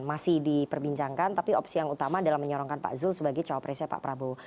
masih diperbincangkan tapi opsi yang utama adalah menyorongkan pak zul sebagai cowok presnya pak prabowo